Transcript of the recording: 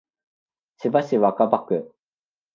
千葉市若葉区